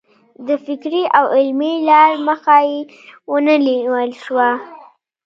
د فکري او علمي لار مخه یې ونه نیول شوه.